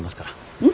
うん。